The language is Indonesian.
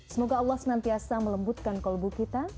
semoga allah senantiasa melembutkan kolbu kita